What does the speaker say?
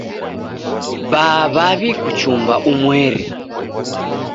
Baa w'awi kuchumba umweri.